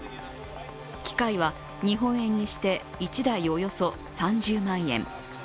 機械は日本円にして１台、およそ３０万円。